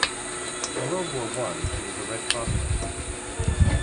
In World War One, she was a Red Cross nurse.